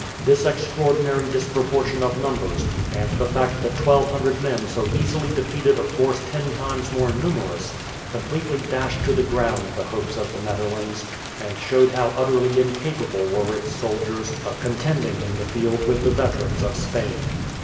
This extraordinary disproportion of numbers, and the fact that 1200 men so easily defeated a force ten times more numerous, completely dashed to the ground the hopes of the Netherlands, and showed how utterly incapable were its soldiers of contending in the field with the veterans of Spain.